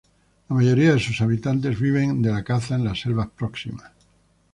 La mayoría de sus habitantes viven de la caza en las selvas próximas.